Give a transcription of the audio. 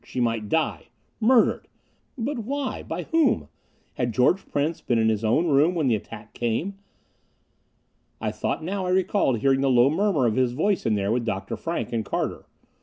She might die.... Murdered.... But why? By whom? Had George Prince been in his own room when the attack came? I thought now I recalled hearing the low murmur of his voice in there with Dr. Frank and Carter.